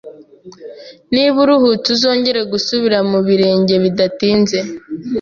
Niba uruhutse, uzongera gusubira mu birenge bidatinze.